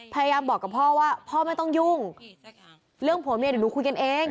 พยายามบอกกับพ่อว่าพ่อไม่ต้องยุ่งเรื่องผัวเมียเดี๋ยวหนูคุยกันเอง